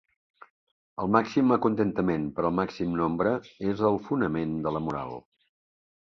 El màxim acontentament per al màxim nombre és el fonament de la moral.